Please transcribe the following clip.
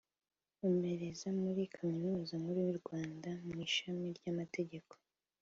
Nkomereza muri Kaminuza Nkuru y’u Rwanda mu ishami ry’amategeko